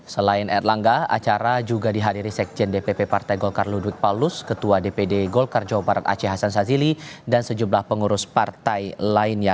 selain erlangga acara juga dihadiri sekjen dpp partai golkar lud paulus ketua dpd golkar jawa barat aceh hasan sazili dan sejumlah pengurus partai lainnya